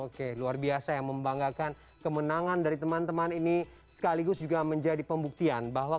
oke luar biasa yang membanggakan kemenangan dari teman teman ini sekaligus juga menjadi pembuktian bahwa